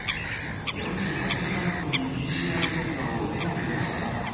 ４８時間ごとにＰＣＲ検査を受けなければならない。